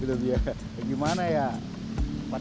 gimana ya tempatnya enak adem